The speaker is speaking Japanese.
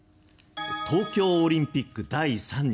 東京オリンピック第３日。